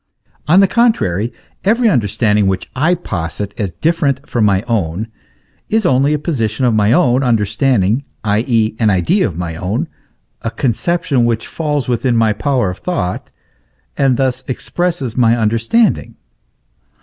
On the contrary, every understanding which I posit as different from my own, is only a position of my own understanding, i.e. an idea of my own, a conception which falls within my power of thought, and thus expresses my understanding.